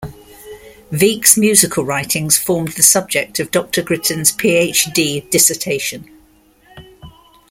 Wieck's musical writings formed the subject of Doctor Gritton's Ph.D. dissertation.